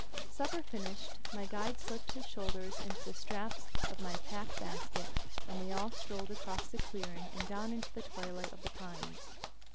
Supper finished, my guide slipped his shoulders into the straps of my pack basket, and we all strolled across the clearing and down into the twilight of the pines.